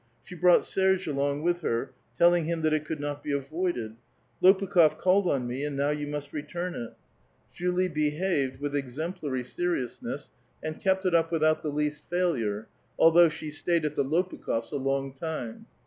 She brought Serge along with her, telling him that it could not be avoided :" I^])ukh6f called on me, and now you must return it." Julie be\\a.N^4 V\\3ci 158 A VITAL QUESTION. exemplary seriousuess, and kept it up without the least faihu'e, although she stayed at the Lopukh6fs' a long time.